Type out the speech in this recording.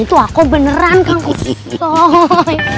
ini tuh aku beneran kang kusoy